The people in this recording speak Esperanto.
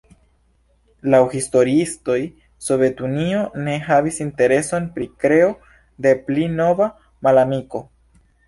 Laŭ historiistoj Sovetunio ne havis intereson pri kreo de pli nova malamiko.